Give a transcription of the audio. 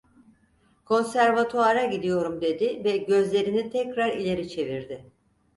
"Konservatuvara gidiyorum!" dedi ve gözlerini tekrar ileri çevirdi.